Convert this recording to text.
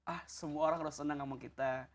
ah semua orang sudah senang sama kita